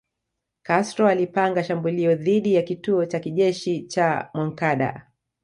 Castro alipanga shambulio dhidi ya kituo cha kijeshi cha Moncada